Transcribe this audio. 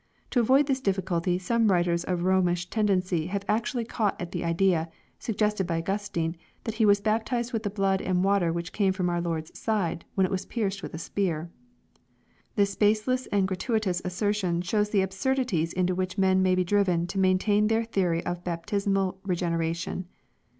To avoid this difficulty some writers of Romish ten dency have actually caught at the idea, suggested by Augustine, that he was baptized with the blood and water which came from our Lord's side, when it was pierced with a spear I This baseless and gratuitous assertion shows the absurdities into which men m^ be driven to maintain their theory of baptismal regeneration.